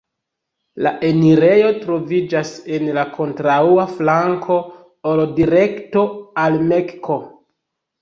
La enirejo troviĝas en la kontraŭa flanko ol direkto al Mekko.